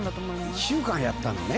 １週間やったのね。